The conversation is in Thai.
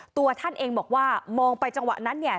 ตัวท่านเองบอกว่ามองไปจังหวะนั้นเนี่ย